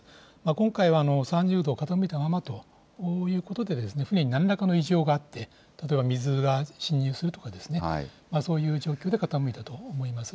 今回は３０度傾いたままということで、船になんらかの異常があって、例えば水が浸入するとか、そういう状況で傾いたと思います。